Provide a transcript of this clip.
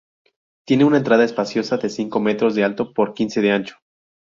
Tiene una entrada espaciosa, de cinco metros de alto por quince de ancho.